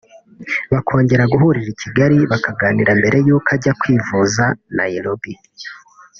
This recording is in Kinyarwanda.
bakongera guhurira i Kigali bakaganira mbere y’uko ajya kwivuriza Nairobi